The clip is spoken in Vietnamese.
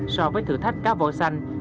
so với thử thách cá vội xanh